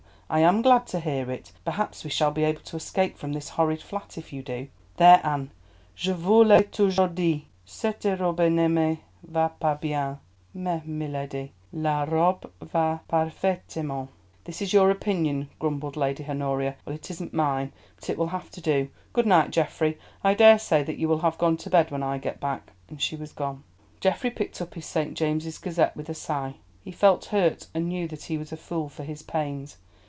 I am glad to hear it; perhaps we shall be able to escape from this horrid flat if you do. There, Anne! Je vous l'ai toujours dit, cette robe ne me va pas bien." "Mais, milady, la robe va parfaitement——" "That is your opinion," grumbled Lady Honoria. "Well, it isn't mine. But it will have to do. Good night, Geoffrey; I daresay that you will have gone to bed when I get back," and she was gone. Geoffrey picked up his St. James's Gazette with a sigh. He felt hurt, and knew that he was a fool for his pains.